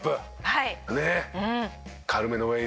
はい。